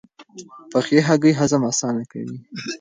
پخې هګۍ هضم اسانه کوي.